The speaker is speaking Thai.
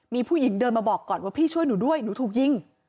มีผู้หญิงเดินมาบอกก่อนว่าพี่ช่วยหนูด้วยหนูถูกยิง